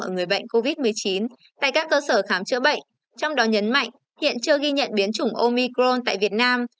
người bệnh covid một mươi chín tại các cơ sở khám chữa bệnh trong đó nhấn mạnh hiện chưa ghi nhận biến chủng omicron tại việt nam